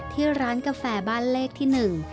ที่ร้านกาแฟบ้านเลขที่หนึ่ง